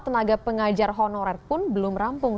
tenaga pengajar honorer pun belum rampung